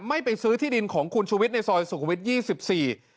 ไม่ไปซื้อที่ดินของคุณชุวิตในซอยสุขวิทยี่สิบสี่